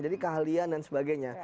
jadi keahlian dan sebagainya